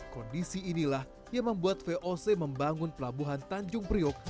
kondisi inilah yang membuat voc membangun pelabuhan tanjung priok